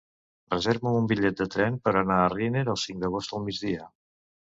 Reserva'm un bitllet de tren per anar a Riner el cinc d'agost al migdia.